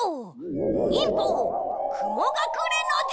忍法くもがくれの術！